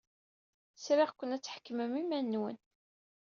Sriɣ-ken ad tḥekmem iman-nwen.